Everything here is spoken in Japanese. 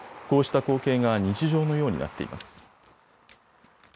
こうした光景が日常のようになっています。